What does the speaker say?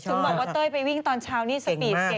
ถึงบอกว่าเต้ยไปวิ่งตอนเช้านี่สปีดเก่ง